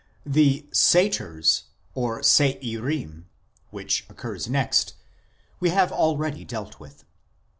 The "satyrs" (Se irim), which occurs next, we have already dealt with.